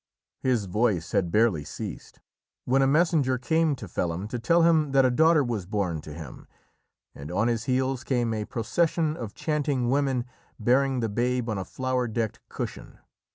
His voice had barely ceased, when a messenger came to Felim to tell him that a daughter was born to him, and on his heels came a procession of chanting women, bearing the babe on a flower decked cushion.